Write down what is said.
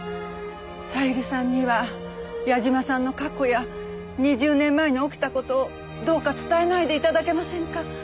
小百合さんには矢嶋さんの過去や２０年前に起きた事をどうか伝えないで頂けませんか？